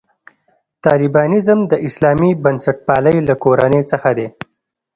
طالبانیزم د اسلامي بنسټپالنې له کورنۍ څخه دی.